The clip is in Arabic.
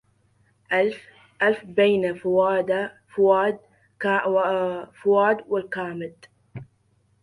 ألف بين الفؤاد والكمد